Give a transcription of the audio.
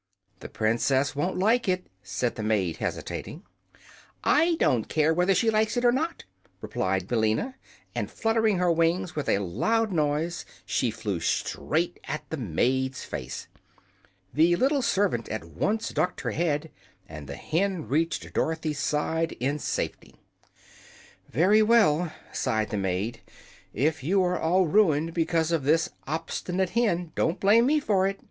"The Princess won't like it," said the maid, hesitating. "I don't care whether she likes it or not," replied Billina, and fluttering her wings with a loud noise she flew straight at the maid's face. The little servant at once ducked her head, and the hen reached Dorothy's side in safety. "Very well," sighed the maid; "if you are all ruined because of this obstinate hen, don't blame me for it.